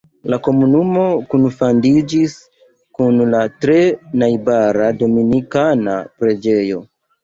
La komunumo kunfandiĝis kun la tre najbara Dominikana preĝejo.